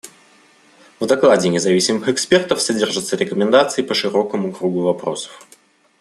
В докладе независимых экспертов содержатся рекомендации по широкому кругу вопросов.